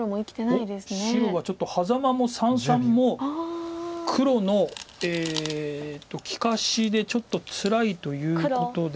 白はちょっとハザマも三々も黒の利かしでちょっとつらいということで。